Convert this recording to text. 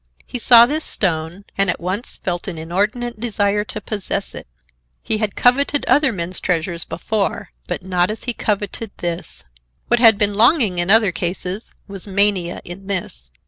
He saw this stone, and at once felt an inordinate desire to possess it. He had coveted other men's treasures before, but not as he coveted this. What had been longing in other cases was mania in this.